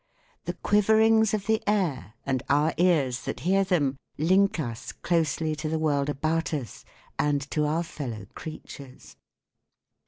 The quiverings of the air, and our ears that hear them, link us closely to the world about us and to our fellow creatures